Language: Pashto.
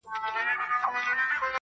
مزاج د هجر د موسم بدل دے